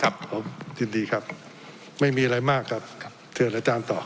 ครับผมยินดีครับไม่มีอะไรมากครับเชิญอาจารย์ต่อ